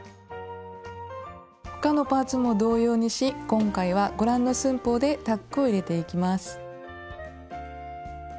他のパーツも同様にし今回はご覧の寸法でタックを入れていきます。